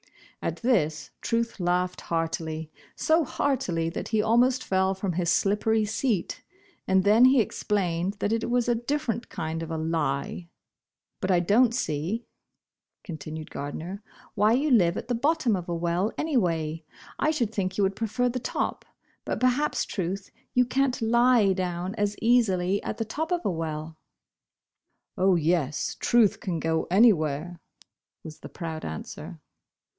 At this Truth laughed heartily, so heartily that he almost fell from his slippery seat, and then he explained that it was a different kind of a "lie." "But I don't see," continued Gardner, "why you live at the bottom of a well, anyway. I should think you would prefer the top. But perhaps, Truth, you can't lie down as easily at the top of a well." Bosh Bosh Oil. 29 "Oh, yes, Truth can go anywhere," was the proud answer.